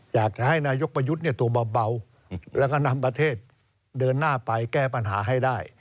อยากจะให้นายกประยุทธ์ตัวเบาแล้วก็นำประเทศเดินหน้าไปแก้ปัญหาให้ได้